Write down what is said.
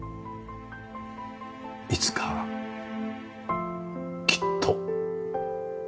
いつかきっと。